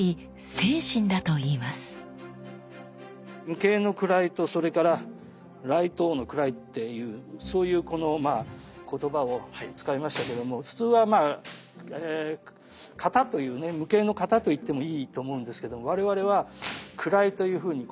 無形の位とそれから雷刀の位っていうそういうこの言葉を使いましたけども普通はまあ型というね無形の型と言ってもいいと思うんですけど我々は位というふうに言葉を使って。